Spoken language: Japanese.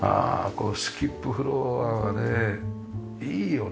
このスキップフロアがねいいよね。